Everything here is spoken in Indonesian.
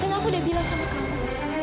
dan aku udah bilang sama kamu